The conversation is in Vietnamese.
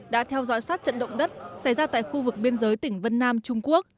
đã theo dõi sát trận động đất xảy ra tại khu vực biên giới tỉnh vân nam trung quốc